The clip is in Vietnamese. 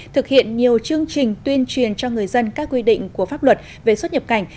thực hiện nhiều chương trình tuyên truyền cho người dân các quy định của pháp luật về xuất nhập cảnh